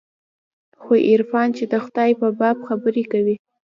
خو عرفان چې د خداى په باب خبرې کوي.